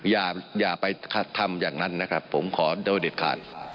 อย่าไปทำอย่างนั้นนะครับผมขอโดยเด็ดขาด